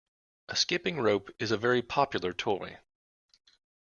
A skipping rope is a very popular toy